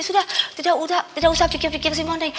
sudah tidak usah pikir pikir si mondi